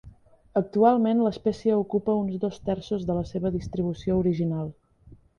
Actualment, l'espècie ocupa uns dos terços de la seva distribució original.